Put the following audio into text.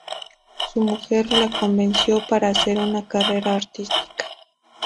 Su mujer le convenció para hacer una carrera artística.